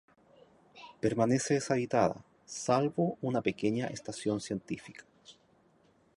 Permanece deshabitada, salvo una pequeña estación científica.